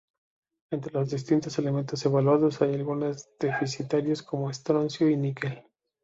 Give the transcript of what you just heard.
Entre los distintos elementos evaluados, hay algunas deficitarios como estroncio y níquel.